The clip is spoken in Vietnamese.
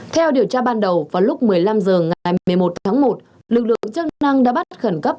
theo điều tra ban đầu vào lúc một mươi năm h ngày một mươi một tháng một lực lượng chức năng đã bắt khẩn cấp